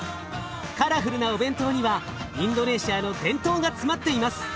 カラフルなお弁当にはインドネシアの伝統が詰まっています。